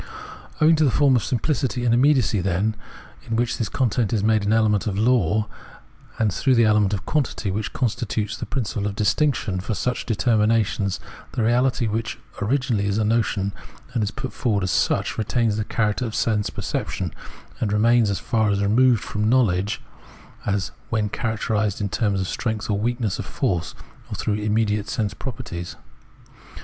Owing to the form of simplicity and immediacy, then, in which this content is made an element of a law, and Observation of Organic Nature 271 through the element of quantity, which constitutes the principle of distinction for such determinations, the reality, which originally is a notion and is put forward as such, retains the character of sense perception, and remains as far removed from knowledge (Erkennen) as when characterised in terms of strength or weakness of force, or through immediate sense properties.